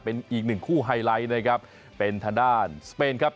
เป็นอีกหนึ่งคู่ไฮไลท์นะครับเป็นทางด้านสเปนครับ